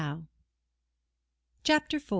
CHAPTER IV.